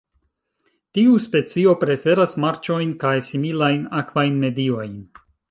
Tiu specio preferas marĉojn kaj similajn akvajn mediojn.